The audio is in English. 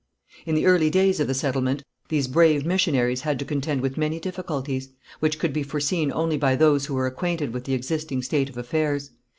In the early days of the settlement these brave missionaries had to contend with many difficulties, which could be foreseen only by those who were acquainted with the existing state of affairs.